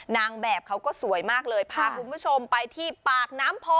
นางแบบเขาก็สวยมากเลยพาคุณผู้ชมไปที่ปากน้ำโพ